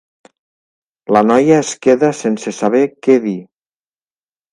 La noia es queda sense saber què dir.